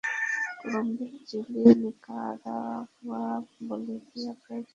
Colombia, Chile, Nicaragua, বলিভিয়া—প্রায় কোনো দেশই বাদ যায়নি শাসকগোষ্ঠীর গুম অভিযান থেকে।